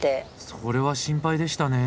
それは心配でしたね。